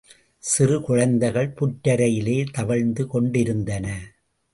சிறு குழந்தைகள் புற்றரையிலே தவழ்ந்து கொண்டிருந்தன.